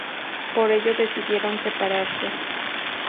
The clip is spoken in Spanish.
Por ello decidieron separarse.